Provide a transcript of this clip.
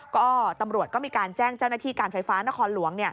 ก็ตำรวจก็มีการแจ้งเจ้าหน้าที่การไฟฟ้านครหลวง